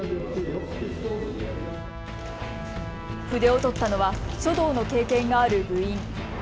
筆を執ったのは書道の経験がある部員。